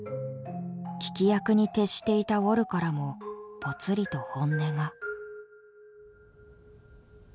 聞き役に徹していたウォルからもぽつりと本音が。